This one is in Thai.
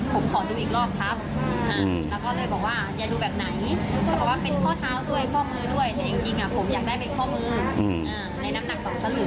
พี่ก็ลองดูตรวจสอบราคาหลายร้านดูนะคะ